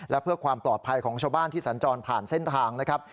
และเพื่อความปลอดภัยของชาวบ้านที่สัญจรผ่านเส้นทางนะครับ